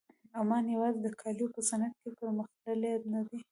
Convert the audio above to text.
عمان یوازې د کالیو په صنعت کې پرمخ تللی نه دی.